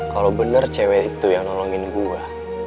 kalo bener cewe itu yang nolongin gue